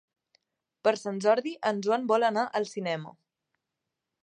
Per Sant Jordi en Joan vol anar al cinema.